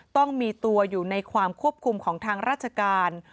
ต้องมีตัวอยู่ในความควบคุมของทางราชการ